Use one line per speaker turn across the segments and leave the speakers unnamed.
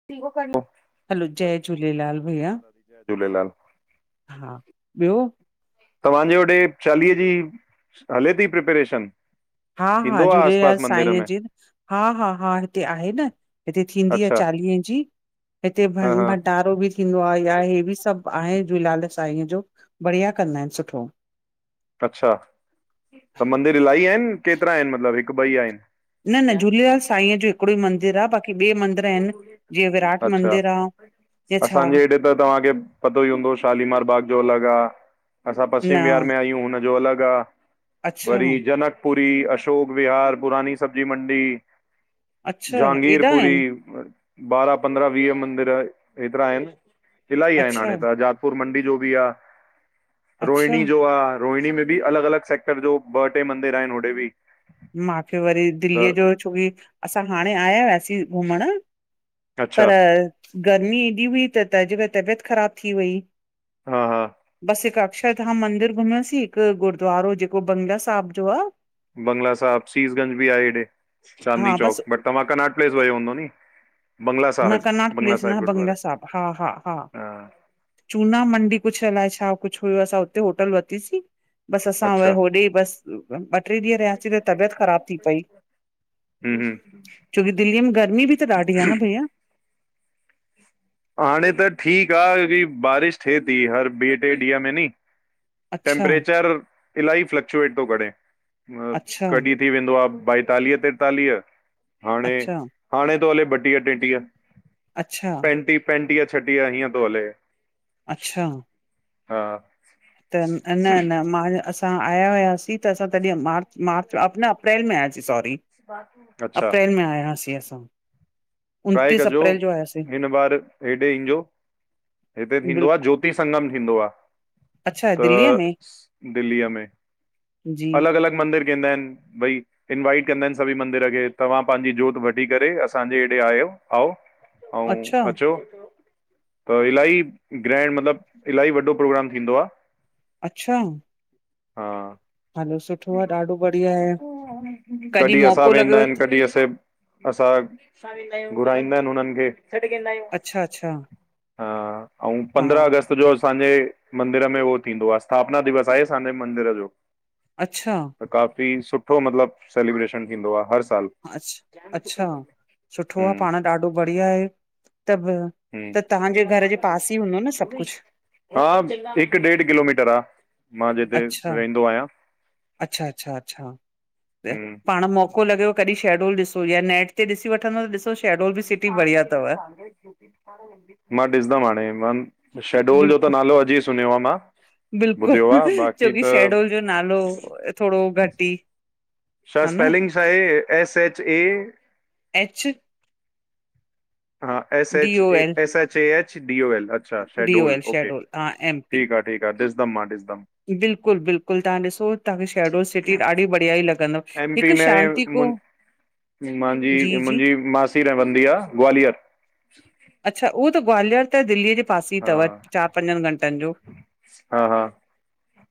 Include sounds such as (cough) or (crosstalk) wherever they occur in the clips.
(unintelligible)
Hello, जय झूलेलाल भईया।
जय झूलेलाल।
हा, ॿियो?
तव्हांजे होॾे चालीह जी हले थी प्रिपेरेशन?
हा-हा, झूलेलाल साईंअ जी हा-हा-हा, हिते आहे न हिते थींदी आहे
अच्छा
चालीहे जी हिते
हा हा
भंडा-भंडारो बि थींदो आहे या हे बि सभु आहे झूलेलाल साईंअ जो बढ़िया कंदा आहिनि सुठो।
अच्छा, त मंदिर इलाही आहिनि केतिरा आहिनि मतिलबु हिकु ॿई आहिनि?
न-न, झूलेलाल साईंअ जो हिकिड़ो ई मंदिरु आ, बाक़ी ॿिए मंदिर आहिनि जीअं विराट
अच्छा
मंदिरु आ।
असांजे हेॾे त तव्हांखे पतो ई हूंदो शालीमार बाग जो अलॻि आ। असां
न
पश्चिम विहार में आहियूं हुनजो अलॻि आ।
अच्छा
वरी जनकपुरी, अशोक विहार पुरानी सब्जी मंडी
अच्छा
जहांगीर
एॾा
पुरी,
आहिनि
बारहां, पंद्रहां, वीह मंदिर हेतिरा आहिनि। इलाही आहिनि
अच्छा
हाणे त जातपुर मंडी जो बि आ
अच्छा
रोहिणी जो आ। रोहिणी में बि अलॻि-अलॻि सेक्टर जो ॿ, टे मंदिर आहिनि होॾे बि।
मांखे वरी
त
दिल्लीअ जो छोकी असां हाणे आया हुयासीं घुमणु
अच्छा
पर गर्मी एॾी हुई त (inaudible) जेक तबियत ख़राब थी वई।
हा हा
बसि हिकु अक्षरधाम मंदिर घुमयूं असींं। हिकु गुरुद्वारो जेको बंगला साहिब जो आ।
बंगला साहिब सीसगंज बि आहे हेॾे चांदनी
हा बस
चौक बट तव्हां कनाट प्लेस वियो हूंदो नी। बंगला
न
साहिब
क्नाड़
बंगला
प्लेस
साहिब
न
गुरुद्वारे
बंगला साहिब। हा-हा-हा।
हा
चूना मंडी कुझु अलाए छा कुझु हुयो असां हुते होटल वठितीसीं। बसि असां व
अच्छा
होॾे बसि ॿ, टे ॾींहं रहियासीं त तबियत ख़राब थी पई।
हम्म हम्म
छोकी दिल्लीअ में गर्मी बि त ॾाढी आ न भईया।
ह हाणे त ठीकु आ की बारिश थिए थी हर ॿे-टे ॾींहं में नहीं।
अच्छा
टेम्परेचर इलाही फ्लक्चुएट थो करे।
अच्छा
कॾहिं थी वेंदो आहे ॿाएतालीह, तेेतालीह हाणे
अच्छा
हाणे तो हले ॿतीया, टेंटीया।
अच्छा।
पंटीह-छटीह हीअं थो हले।
अच्छा।
हा।
त न-न मां असां असां आया हुआसीं त असां तॾहिं मार्च, मार्च न अप्रैल में आयासीं सॉरी।
अच्छा
अप्रैल में आयासीं असां।
ट्राए
उनतीस
कजो
अप्रैल जो आयासीं
हिन बार हेॾे ईजो हिते थींदो आहे जो
बिल्कुलु
जोति संगम थींदो आ।
अच्छा
त
दिल्लीअ में
दिल्लीअ में
जी
अलॻि-अलॻि मंदिर केदा ऐंन भई इन्वाइट कंदा आहिनि सभी मंदिर खे तव्हां पंहिंजी जोत वठी करे असांजे (unintelligible) आऔ आऊ
अच्छा
अचो त ईलाही ग्रैंड मतिलबु ईलाही वॾो प्रोग्राम थींदो आ।
अच्छा
हा
हलो सुठो आहे ॾाढो बढ़िया आहे
कॾहिं असां
मौको
वेंदा
लॻेव
आहिनि
त
कॾहिं असे असां घुराईंदा आहिनि हुननि खे।
अच्छा अच्छा
हा आऊ
हा
पंद्रहां अगस्त जो असांजे मंदिर में उहो थींदो आहे स्थापना दिवस आ असांजे मंदिर जो।
अच्छा
त काफ़ी सुठो मतिलबु सेलिब्रेशन थींदो आ हर सालु।
अछ अच्छा सुठो आ
हम्म
पाण ॾाढो बढ़िया आहे। त ॿ
हम्म
त तव्हांजे घर जे पास ई हूंदो न सभु कुझु?
हा हिकु डेढ किलोमीटर आ।
अच्छा, अच्छा-अच्छा-अच्छा- अच्छा
हम्म
पाण मो को लॻे कॾहिं शेडूल ॾिसो या नेट ते ॾीसि वठंदो त ॾिसो शेडोल ॿि
(unintelligible) मां ॾिसंदमि हाणे, मां शेडोल जो त नालो अॼु ई सुनूयो आ मां। ॿुधियो आहे
बिल्कुलु
बाक़ी
छोकी
त
शहडोल जो नालो थोणो घटि ई
छा
हा न
स्पेलिंग छा आहे एस एच ए
ऐंच
हा S
D
H
O
A
L
AH D O L अच्छा
D O
Shahdol
L
okay
Shahdol हा
ठीकु आ। ठीकु आ ॾिदमि मां ॾिसमि।
बिल्कुलु-बिल्कुलु तव्हां ॾिसो तव्हांखे शेडो सिटी ॾाढी बढ़िया लंदव।
एम पी में मु मांजी
जी जी
मुंहिंजी मासी र वंददी आ ग्वालियर।
अच्छा उहो त ग्वालियर त दिल्लीअ जे पासे ई
हा
अथव चारि पंजनि घंटनि जो।
हा हा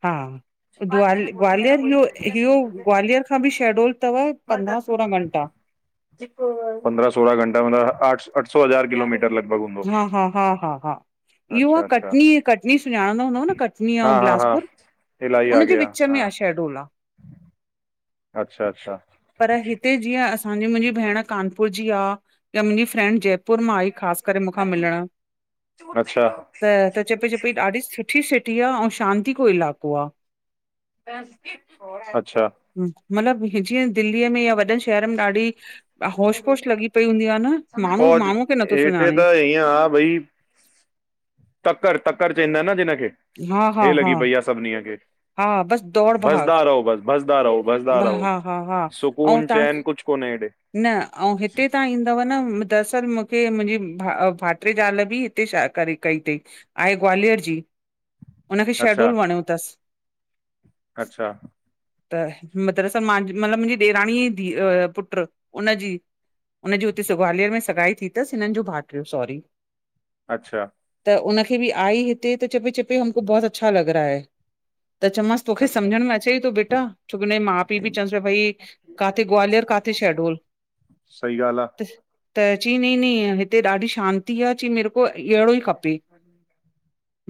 हा ग्वाल ग्वालियर इहो, हीयो ग्वालियर खां ॿि शेडोल तव पंद्राहं सोरहां घंटा।
पंद्राह सोलह घंटा मतलब अठ सौ हज़ार किलोमीटर लॻभॻ हूदो।
हा-हा-हा-हा-हा इहो आह
अच्छा
कटनी, कटनी सुञाणंदा हूंदव न? कटनी अऊ बिलासपुर
ईलाही आगे आ।
विचं
हा
आ शेडोल आ।
अच्छा-अच्छा
पर हिते जीअं असांजी मुंहिंजी भेण कानपुर जी आ या मुंहिंजी फ्रेंड जयपुर मां आई ख़ासि करे मुखा मीलण,
अच्छा
त तचये पयी ॾाठी सुठी सुठी सिटी आ ऐं शांति को इलाइक़ो आ।
अच्छा
मतलब जीअं दिल्लीअ में या वॾनि श शहर में ॾाढी होश पोश लॻी पई हूंदी आ न, माण्हू माण्हूअ खे नथो सुञाणे।
हा भई तकण तकण चवंदा आहिनि न जिनखे
हा हा
हे
हा
लॻी पई आ। सभिनी खे
हा बसि
भसदा रहो बस भसदा रहो। भसदा रहो
हा-हा-हा अउं
सुकून
तव्हांखे
चैन कुझु कोने हेॾे।
न आऊं हिते तव्हां ईंदव न दरसल मूंखे मुंजे भा भाट्री ज़ाल बि ते शा करे कई तई, आहे ग्वालियर जी। हुनखे
अच्छा
शेहडोल वणियो तस।
अच्छा।
त मतरस मां मतिलबु मांजी ॾेरानी ई धी अ पुटु उनजी उनजी हुते सु ग्वालियर में सगाई थी तस हिननि जो भाटियो, सॉरी।
अच्छा।
त उनखे बि आई हिते त चेपी चेपी हमको बहुत अच्छा लॻ रा है त चोमास तोखे
अच्छा
सम्झण में अचे थो बेटा छोकी हुनजे माउ पीउ चवंस पिया, भाई काथे ग्वालियर काथे शेॾ डोल,
सही ॻाल्हि आ
त चई नई नई हिते ॾाढी शांती आ चईं मे को अहिड़ो, ई खपे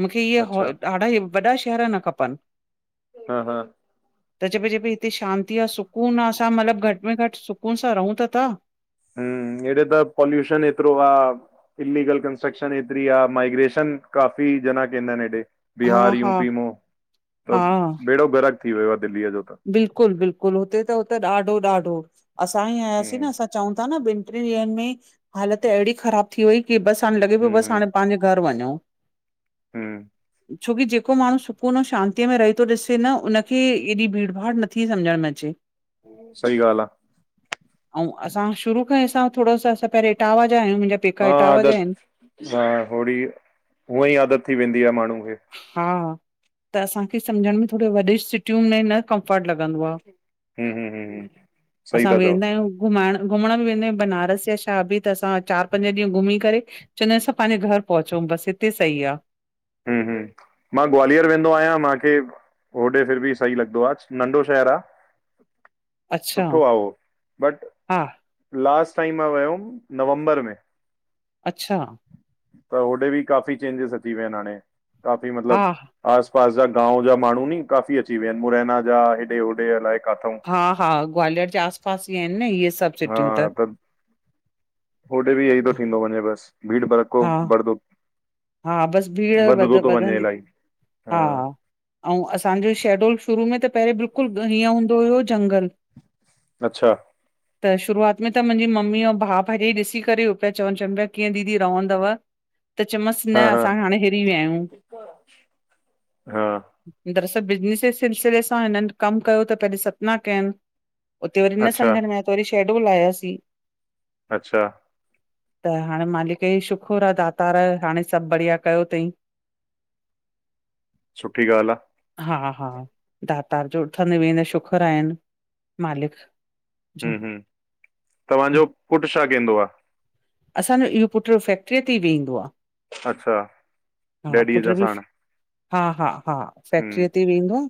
मूंखे इहा हो
अच्छा
ॾाढा वॾा शहर न खपनि।
हा हा,
त चए पी चए पी हिते शांती आ सुकून आ असां मतिलबु घटि में घटि सुकून सां रहूं त ता।
हूं, हेॾे त पॉल्यूशन एतिरो आ। इल्लीगल कंस्ट्रक्शन एतरी आ, माइग्रेशन काफ़ी जना कंदा आहिनि हेॾे।
हा
बिहार
हा
यूपी मो
हा
त बेड़ो गरक थी वियो आ दिल्लीअ जो त।
बिल्कुलु बिल्कुलु हुते त हुते ॾाढो ॾाढो असां ई आयासीं
हम्म
न असां चऊं था न ॿिनि ट्रिनि ॾींहनि में हालत अहिड़ी ख़राब थी वई की बसि हाणे लॻे पियो
हम्म
बसि हाणे पांजे घर वञऊं।
हूं,
छोकी जेको माण्हू सुकून इऊं शांतीअ में रहे थो ॾिसे न उनखे एॾी भीड़ भाड़ नथी सम्झण में अचे।
सही ॻाल् आ।
आऊं असां शुरू खां ई असां थोरो असां पेरियों इटावा जा आयूं मुंजा
हा आदत हा होड़ी हूअं ई आदत थी वेंदी आहे माण्हू खे।
हा त असांखे सम्झण में थोरो वडे सि टियूं में न कम्फर्ट लगंदो आ,
हम्म हम्म हम्म हम्म सही
असां
था चओ
वेंदा आयूं। घुमाइण घुमण बि वेंदा आयूं बनारस या छा बि त असां चारि पंज ॾींहं घुमी करे चंदायूं असां पांजे घर पहुचऊ बसि हिते सही आ
हू हूं, मां ग्वालियर वेंदो आयां मांखे होॾे फिर बि सही लॻदो आ नंढो शहर आ।
अच्छा
सुठो आ उहो बट
हा
लास्ट टाइम मां विय हुयमि नवंबर में।
अच्छा।
त होॾे बि काफ़ी चेंजिस अची विया इन हाणे काफ़ी
हा
मतलब आस पास जा गांव जा माण्हू नी काफ़ी अची विया आहिन मुरैना जा हेॾे होॾे अलाए किथां
हा हा ग्वालियर जे आस पास ई आहिन न इहे सभु सिटियूं त
होॾे बि इओई थो थींदो वञे बस भीड़ बड़को
हा
भरदो
हा बसि भीड़ व
थो वञे
वधंदी
इलाही
हा। आऊं असांजो शेडोल शुरू में त पेरियों बिल्कुलु हीअं हूंदो हुयो जंगल।
अच्छा।
त शुरूआत में त मुंजी मम्मी आऊं भा भा भरे ॾिसी करेह पिया चवनि, चवनि पिया कीअं दीदी रहंदव। त, च न हाणे
हा हा
असां हिरी विया आयूं,
हा
दरअसल बिजनेसिस सिलसिले सां हिननि कम कयो त पेंजे सतना कयनि उते वरी न सम्झ
अच्छा
में अ वरी शेडूल लाए आायासीं।
अच्छा।
त हाणे मालिक जी शुकुर आ दातार हाणे सभु बढ़िया कयो तईं।
सुठी ॻाल्हि आ।
हा हा दातार जो उथंदे वेंदे शुकुर आहिनि मालिक।
हा,
जो
हा तव्हां जो पुटु छा कंइदो आ?
असांजो इहो पुटु फैक्ट्रीअ ते ई वेहींदो आ।
अच्छा।
हा
डैडीअ
पुटु
जा
बि
साण
हा हा हा फैक्ट्रीअ
हम्म
ते वेंहिदो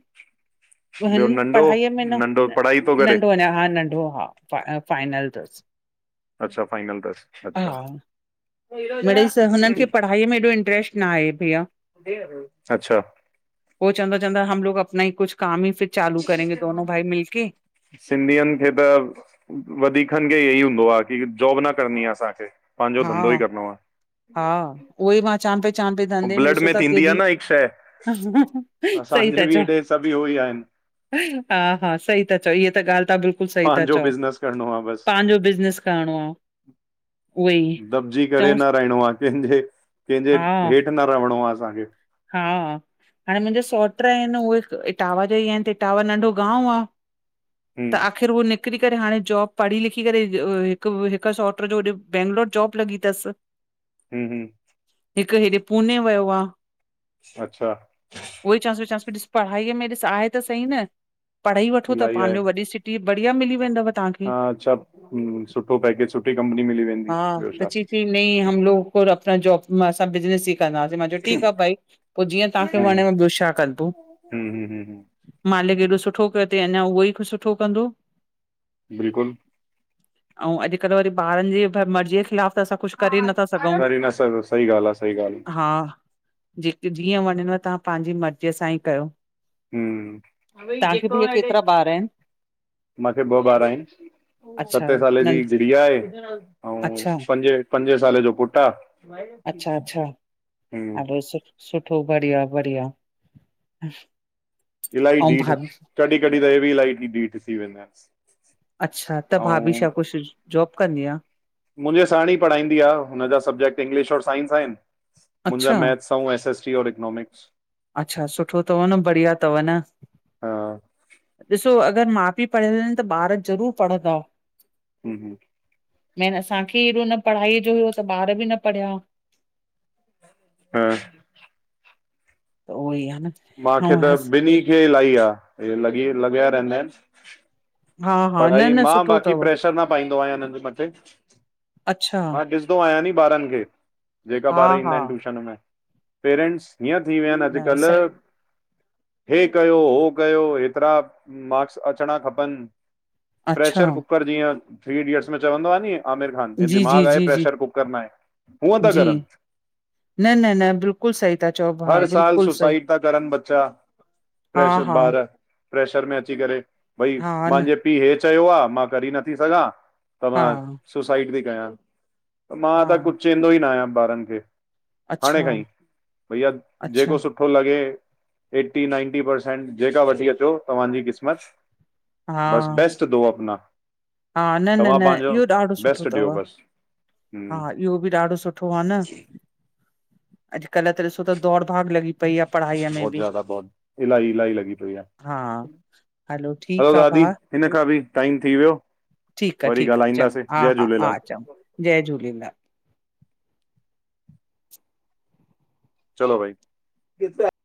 आ। हिन
ॿियो नंढो
पढ़ाईअ में न
नंढो पढ़ाई थो करे
नंढो अञा हा नंढो हा। पाण फाइनल तसि।
अच्छा फाइनल तसि अछा।
मिड़ई हुननि खे पढ़ाईअ में एॾो इंट्रेस्ट न आहे भैया।
अछा।
हो चंवदो चंदा हमलोग अपना ई कुझु कम ई फीर चालू करेंगे दोनो भाई मिल के।
सिंधियुनि खे त वधीकनि खे इ ई हूंदो आ की जॉब न करणी आ असांखे। पांजो
हा
धंधो ई करिणो आ।
हा उहो ई मां चां पई चां पई
पो
धंधे
ब्लड
ॾिसो
में
था
थींदी आ
केॾी
न हिकु शैय।
सही
असांजे
था
बि
चओ
हेॾे सभु इहो ई आहिनि।
हा हा सही ता चओ इहा त ॻाल्हि त बिल्कुलु बिल्कुलु सही ता
पंहिंजो
चओ
बिज़नेस
पंहांजो बिज़नस करणो आ।
दबजी करे न
चऊंसि
रहिणो आहे कंहिंजे, कंहिंजे
हा
हेठि न रहिणो आ असांखे।
हा। हाणे मुंहिंजा सौट आहिनि उहे इटावा जा ई आहिनि त इटावा नंढो गांव आहे त
हम्म
आख़िर उह निकिरी करे हाणे जॉब पढ़ी लिखी करे हिकु हिकु सौट जो होॾे बैंगलोर जॉब लॻी तसि।
हा, हा।
हिकु हेॾे पुने वयो आ।
अच्छा।
उहई चांस चांवासि ॾिसु पढ़ाईअ में ॾिस आहे त सही न पढ़ाई वठो त
इलाही आहे
पांहा़जो वॾी सिटी बढिया मिली वेंदव। तव्हांखे
हा अ्च्छा सुठो पैकेज सुठी कंपनी मिली वेंदी
हा
ॿियो
त
छा।
चई न हम लोग को अपना जॉब असां बिज़नस ई कंदासि, मां चयो ठीकु आ भाई। पो जीअं तहां
हम्म
खे वणे
हम्म
ॿियो छा कंदो।
हम्म हम्म, हम्म,
मालिक एॾो सुठो कयो तई अञा उहो ई सुठो कंदो।
बिल्कुलु।
अऊं अॼुकल्ह वरी ॿारनि जे मर्जी जे खिलाफ़ु असां कुझु करे नथा सघंऊं।
सही न सही सही ॻाल्हि आहे सही ॻाल्हि
जेके जीअं वणेव तहां पाहांजी मर्ज़ीअ सां ई कयो।
हा,
तव्हांखे भईया केतिरा ॿार आहिनि?
मांखे ॿ ॿार आहिनि।
अच्छा
सते साले जी
नंढ
गुड़िया आहे ऐं
अच्छा
पंजे पंजे साले जो पुटु आ।
हा भाई सुठो बढ़िया बढ़िया।
इलाही
ऐं
डीठ,
भाभी
कॾहिं कॾी त इहे बि इलाही डीठ थी वेंदा आहिनि।
अच्छा, त भाभी
ऐं
छा कुझु जॉब कंदी आ?
मुंहिंजे साण ई पढ़ाईंदी आ हुनजा सब्जेक्ट इंग्लिश और साइंस आहिनि मुंहिंजा
अच्छा
मैथ्स एस एस टी और इकोनॉमिक्स।
अच्छा सुठो अथव न, बढ़िया अथव न।
हा
ॾिसो अॻरि माउ पीउ पढ़ियल आहिनि त ॿार जरूरु पढ़ंदा।
हम्म, हम्म।
मेन असांखे हेॾो न पढ़ाईअ जो हुयो त ॿार बि न पढ़िया।
हा।
त उहो ई आहे न।
मां
ऐं
खे त
हस
ॿिनी खे इलाही आ ई लॻी, लॻिया रहंदा आहिनि।
हा हा न
पढ़ाई
न
मां
सुठो
बाक़ी
अथव
प्रेशर न पाईंदो आहियां हिननि जे मथे।
अच्छा
मां ॾिस आहियां न ॿारनि खे जेका
हा
ॿार ईंदा
हा
आहिनि ट्यूशन में पेरेंट्स हीअं थी विया आहिनि
न स
अॼुकल्ह हे कयो, उहो कयो हेतिरा मार्क्स अचणा खपनि।
अच्छा
प्रेशर कुकर जीअं थ्री इडियट्स में चवंदो आहे नि आमिर खान हे
जी
दिमाग़
जी
आहे
जी जी
प्रैशर कुकर न आहे हूंअ था
जी,
करनि।
न न न बिल्कुलु सही था चओ हा
हर साल
बिल्कुलु सही,
सुसाइड त कर बच्चा।
हा हा,
प्रैशर ॿार प्रैशर में अची करे भई
हा न,
मुंहिंजे पीउ हीअ चयो आ मां करे नथी सघां त
हा
मां सुसाइड थी कयां। त मां त
हा,
कुझु चवंदो ई न आहियां ॿारनि खे। हाणे
अच्छा
खा ई। भैया
अच्छा,
जेको सुठो सुठो लॻे एटी नाइंटी परसेंट जेका वठी अचो तव्हांजी क़िस्मत बस
हा
बेस्ट दो अपना।
हा,
तव्हां
न-न-न
पंहिंजो
इहो ॾाढो सुठो
बेस्ट ॾियो
अथव।
बसि
हा,
हम्म
इहो बि ॾाढो सुठो आ न अॼुकल्ह त ॾिसो त दौड़ भाग लॻी पई आहे पढ़ाईअ में
बहुत
बि।
ज्यादा बहुत इलाही इलाही लॻी पई आहे
हा, हलो ठीकु आ भा
हिन खां बि टाइम थी वियो।
ठीकु आ,
वरी
ठीकु आ, चङो
ॻाल्हाईंदासीं जय
हा-हा-हा,
झूलेलाल
चङो। जय झूलेलाल।
चलो भाई।